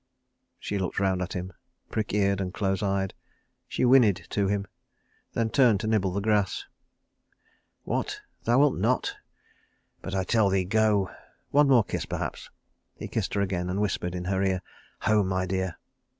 She looked round at him, prick eared and close eyed. She whinnied to him, then turned to nibble the grass. "What, thou wilt not? But I tell thee, go. One more kiss perhaps." He kissed her again, and whispered in her ear, "Home, my dear."